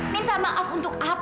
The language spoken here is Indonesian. minta maaf untuk apa